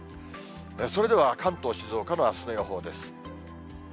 それでは、関東、静岡のあすの予報です。